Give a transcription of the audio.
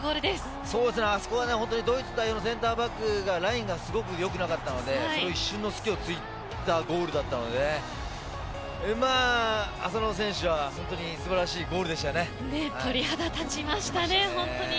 ドイツ代表のセンターバックがラインがすごく良くなかったのでその一瞬の隙を突いたゴールだったので浅野選手は本当に素晴らしい鳥肌立ちましたね、本当に。